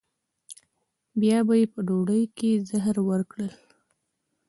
بیا به یې په ډوډۍ کې زهر ورکړل.